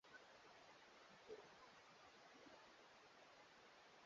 Mandhari ya ufukwe wa bahari ya Hindi husindikiza uzuri wa tamasha hilo